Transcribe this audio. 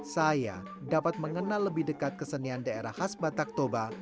saya dapat mengenal lebih dekat kesenian daerah khas batak toba